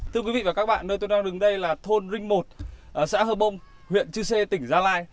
thưa quý vị và các bạn nơi tôi đang đứng đây là thôn rinh một xã hơ bông huyện chư sê tỉnh gia lai